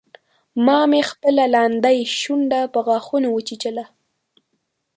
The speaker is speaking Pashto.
ما مې خپله لاندۍ شونډه په غاښونو وچیچله